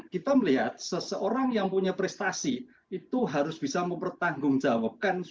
kita melihat seseorang yang punya prestasi itu harus bisa mempertanggungjawabkan suatu perilakunya kan itu